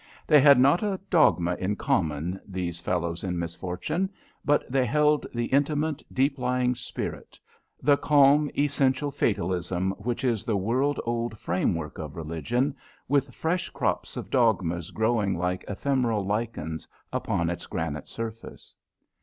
They had not a dogma in common, these fellows in misfortune, but they held the intimate, deep lying spirit, the calm, essential fatalism which is the world old framework of religion, with fresh crops of dogmas growing like ephemeral lichens upon its granite surface.